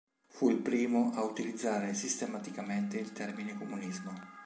Fu il primo a utilizzare sistematicamente il termine comunismo.